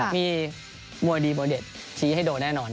มีมัวดีมัวเด็ดชี้ให้โดดแน่นนอน